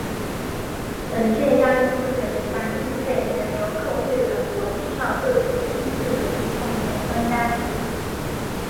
本届亚运会的举办经费仍由各会员国依照各自的经济能力共同分担。